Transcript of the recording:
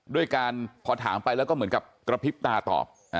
ด้วยการพอถามไปแล้วก็เหมือนกับกระพริบตาตอบ